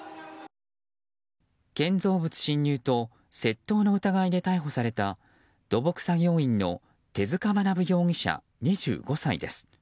建造物侵入と窃盗の疑いで逮捕された土木作業員の手塚学容疑者、２５歳です。